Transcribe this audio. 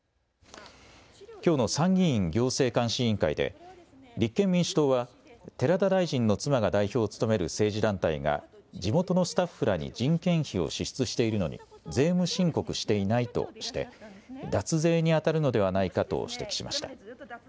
きょうの参議院行政監視委員会で立憲民主党は寺田大臣の妻が代表を務める政治団体が地元のスタッフらに人件費を支出しているのに税務申告していないとして脱税にあたるのではないかと指摘しました。